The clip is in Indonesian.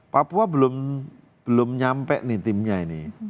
papua belum nyampe nih timnya ini